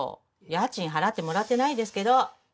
家賃払ってもらってないんですけど。